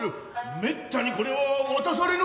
めったにこれは渡されぬ。